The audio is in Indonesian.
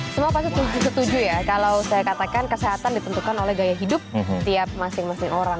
semua pasti setuju ya kalau saya katakan kesehatan ditentukan oleh gaya hidup tiap masing masing orang